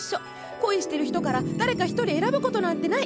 恋してる人から誰か一人選ぶことなんてない！